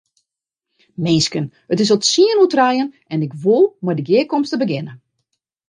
Minsken, it is al tsien oer trijen en ik wol mei de gearkomste begjinne.